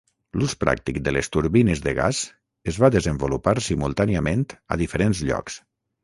L'ús pràctic de les turbines de gas es va desenvolupar simultàniament a diferents llocs.